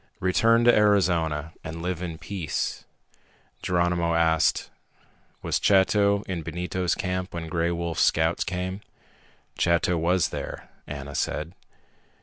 "Return to Arizona and live in peace." Geronimo asked, "Was Chato in Benito's camp when Gray Wolf's scouts came?" "Chato was there," Ana said.